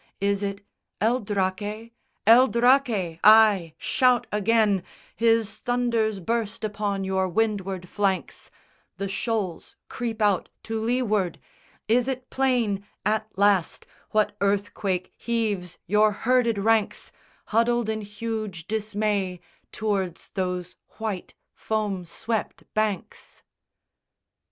Is it El Draque? El Draque! Ay, shout again, His thunders burst upon your windward flanks; The shoals creep out to leeward! Is it plain At last, what earthquake heaves your herded ranks Huddled in huge dismay tow'rds those white foam swept banks?